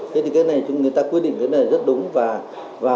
thế thì cái này người ta quy định cái này rất đúng và